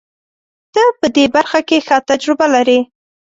ته په دې برخه کې ښه تجربه لرې.